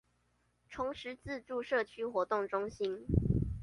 崇實自助社區活動中心